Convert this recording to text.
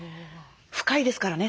深いですからね